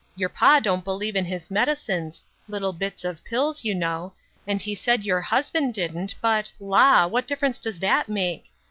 Youi' pa dont believe in his medicines — little bits of pills, you know — and he said your husband didn't but, la ! what difference does that make